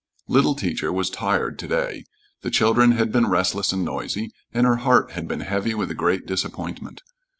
Little Teacher was tired to day. The children had been restless and noisy, and her heart had been heavy with a great disappointment.